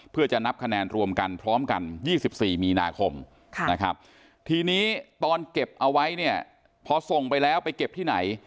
เพื่อจะนับคะแนนรวมกันพร้อมกัน๒๔มีนาคมนะครับทีนี้ตอนเก็บเอาไว้เนี่ยพอส่งไปแล้วไปเก็บที่ไหน